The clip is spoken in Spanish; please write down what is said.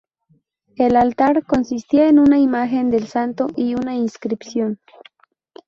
El altar consistía en una imagen del santo y una inscripción.